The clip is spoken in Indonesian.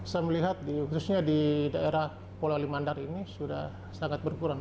saya melihat khususnya di daerah pola limandar ini sudah sangat berkurang